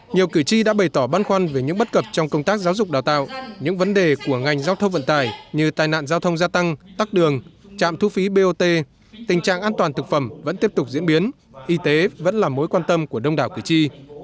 nhiều cử tri đã bày tỏ băn khoăn về những bất cập trong công tác giáo dục đào tạo những vấn đề của ngành giao thông vận tải như tai nạn giao thông gia tăng tắc đường trạm thu phí bot tình trạng an toàn thực phẩm vẫn tiếp tục diễn biến y tế vẫn là mối quan tâm của đông đảo cử tri